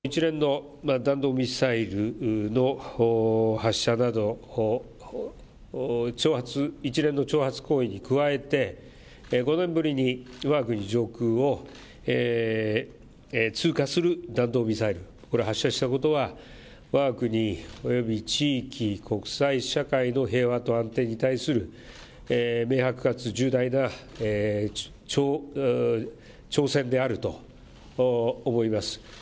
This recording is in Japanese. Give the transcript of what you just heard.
一連の発射など挑発、一連の挑発行為に加えて５年ぶりにわが国上空を通過する弾道ミサイルこれ発射したことはわが国及び地域国際社会の平和と安定に対する明白かつ重大な挑戦であると思います。